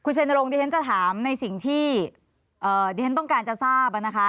ชัยนรงค์ดิฉันจะถามในสิ่งที่ดิฉันต้องการจะทราบนะคะ